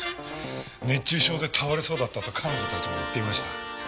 熱中症で倒れそうだったと彼女たちも言っていました。